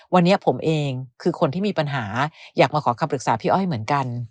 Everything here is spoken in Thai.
วันนี้ผมเองคือคนที่มีปัญหาอยากมาขอคำปรึกษาพี่อ้อยเหมือนกัน